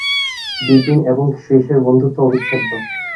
বিপিন এবং শ্রীশের বন্ধুত্ব অবিচ্ছেদ্য।